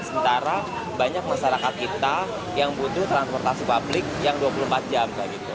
sementara banyak masyarakat kita yang butuh transportasi publik yang dua puluh empat jam